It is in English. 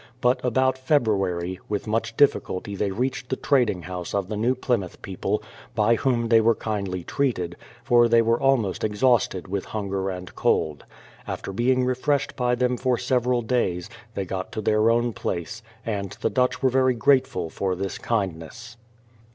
But about February, with much difficulty they reached the trading house of the New Plymouth people, by whom they were kindly treated, for they were almost exhausted with hunger and cold. After being refreshed by them for several days, they got to their own place, and the Dutch were very grateful for this kindness.